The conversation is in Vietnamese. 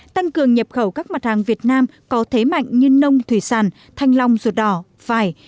tăng cường nhập khẩu các mặt hàng việt nam có thế mạnh như nông thủy sản thanh long ruột đỏ phải